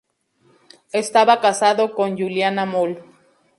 Estaba casado con Juliana Moll.